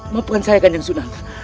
maafkan saya kanjeng sunan